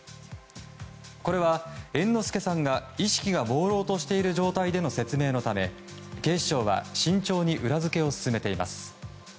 これは猿之助さんが意識がもうろうとしている状態での説明のため警視庁は慎重に裏付けを進めています。